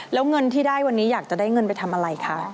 แล้วเงินที่ได้วันนี้อยากจะได้เงินไปทำอะไรคะ